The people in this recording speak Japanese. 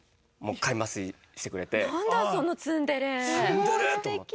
ツンデレ！と思って。